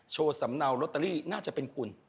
สำเนาลอตเตอรี่น่าจะเป็นคุณ